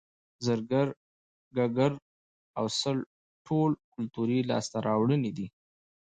زرګر ګګر او سل ټول کولتوري لاسته راوړنې دي